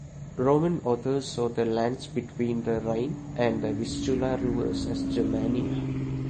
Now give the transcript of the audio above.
Roman authors saw the lands between the Rhine and the Vistula rivers as Germania.